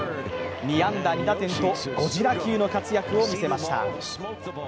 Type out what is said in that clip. ２安打２打点とゴジラ級の活躍を見せました。